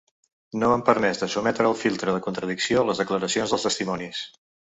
No han permès de sotmetre al filtre de contradicció les declaracions dels testimonis.